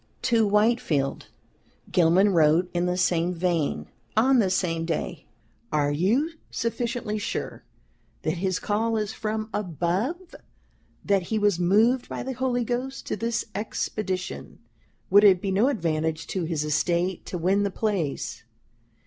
To Whitefield, Gilman wrote in the same vein, on the same day: "Are you sufficiently sure that his call is from above, that he was moved by the Holy Ghost to this Expedition? Would it be no advantage to his Estate to win the place?